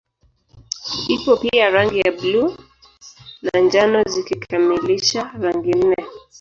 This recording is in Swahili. Ipo pia rangi ya bluu na njano zikikamilisha rangi nne